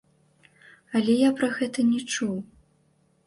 Але я пра гэта не чуў.